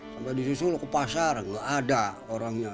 sampai disuruh ke pasar nggak ada orangnya